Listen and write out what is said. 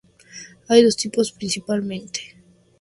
Hay dos tipos principalmente.